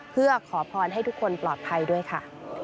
เพื่อขอพรให้ทุกคนปลอดภัยด้วยค่ะ